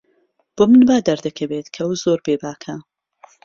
بۆ من وا دەردەکەوێت کە ئەو زۆر بێباکە.